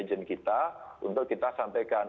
ini adalah yang kita untuk kita sampaikan